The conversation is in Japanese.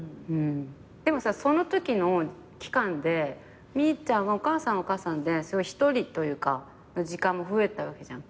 でもさそのときの期間でお母さんはお母さんで１人というか時間も増えたわけじゃん。